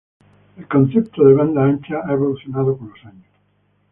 El concepto de banda ancha ha evolucionado con los años.